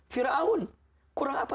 firaun kurang apa